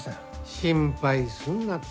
心配すんなって。